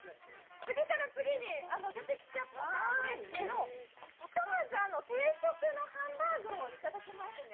次から次に出てきちゃったんですけど、ひとまず定食のハンバーグをいただきますね。